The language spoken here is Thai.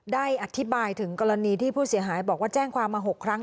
ได้อธิบายถึงกรณีที่ผู้เสียหายบอกว่าแจ้งความมา๖ครั้ง